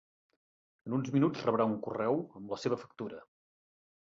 En uns minuts rebrà un correu amb la seva factura.